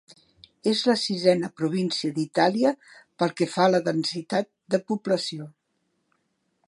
És la sisena província d'Itàlia pel que fa a la densitat de població.